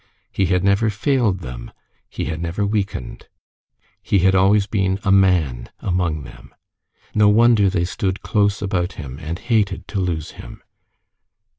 He had never failed them; he had never weakened; he had always been a man among them. No wonder they stood close about him and hated to lose him.